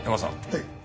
はい。